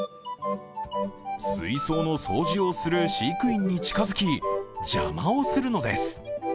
水槽の掃除をする飼育員に近づき邪魔をするのです。